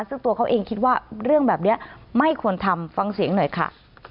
ซึ่งตัวเขาเองคิดว่าเรื่องแบบนี้ไม่ควรทำฟังเสียงหน่อยค่ะ